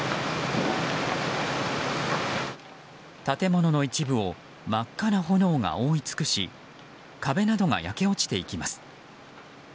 建物の一部を真っ赤な炎が覆い尽くし壁などが焼け落ちていきます。